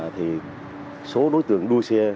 thì số đối tượng đua xe